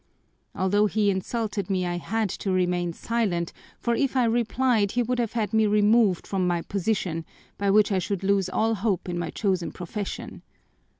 Although he insulted me, I had to remain silent, for if I replied he would have had me removed from my position, by which I should lose all hope in my chosen profession.